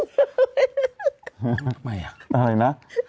ทำไมอ่ะอะไรนะ